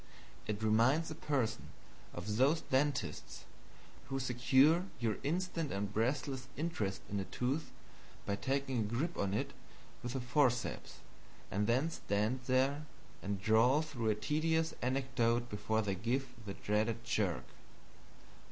It reminds a person of those dentists who secure your instant and breathless interest in a tooth by taking a grip on it with the forceps, and then stand there and drawl through a tedious anecdote before they give the dreaded jerk.